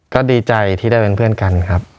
ก็ดีใจที่ได้เป็นเพื่อนกันครับ